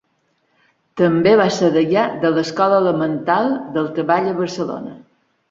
També va ser degà de l'Escola Elemental del Treball a Barcelona.